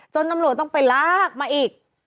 ตำรวจต้องไปลากมาอีก